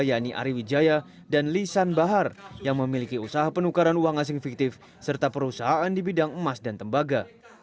yakni ari wijaya dan lisan bahar yang memiliki usaha penukaran uang asing fiktif serta perusahaan di bidang emas dan tembaga